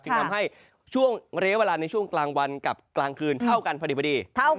ทำให้ช่วงระยะเวลาในช่วงกลางวันกับกลางคืนเท่ากันพอดี